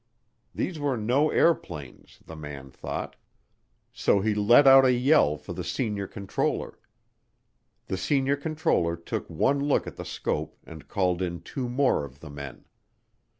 These were no airplanes, the man thought, so he let out a yell for the senior controller. The senior controller took one look at the scope and called in two more of the men.